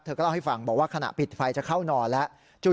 เล่าให้ฟังบอกว่าขณะปิดไฟจะเข้านอนแล้ว